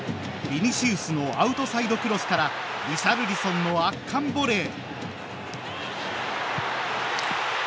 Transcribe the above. ビニシウスのアウトサイドクロスからリシャルリソンの圧巻ボレー。